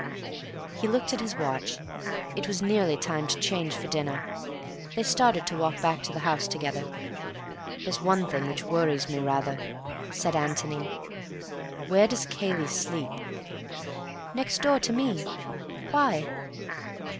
He looked at his watch. It was nearly time to change for dinner. They started to walk back to the house together. "There's one thing which worries me rather," said Antony. "Where does Cayley sleep?" "Next door to me. Why?"